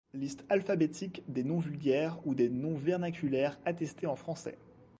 Liste alphabétique des noms vulgaires ou des noms vernaculaires attestés en français.